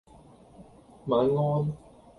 晚安